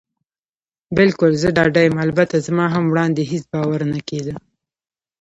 بلکل، زه ډاډه یم. البته زما هم وړاندې هېڅ باور نه کېده.